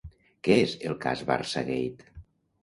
Què és el cas ‘Barçagate’?